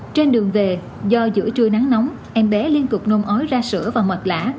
trên đường về do giữa trưa nắng nóng em bé liên cục nôn ói ra sữa và mệt lã